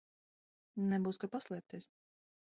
Nebūs kur paslēpties.